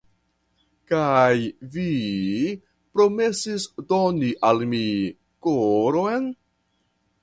Kaj vi promesis doni al mi koron?